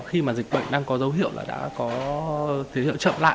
khi mà dịch bệnh đang có dấu hiệu là đã có dấu hiệu chậm lại